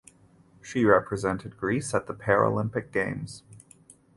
She represented Greece at the Paralympic Games.